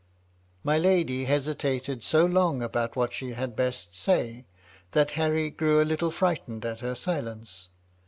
My lady hesitated so long about what she had best say, that Harry grew a little frightened at her silence.